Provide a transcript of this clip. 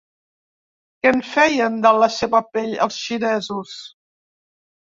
Què en feien de la seva pell els xinesos?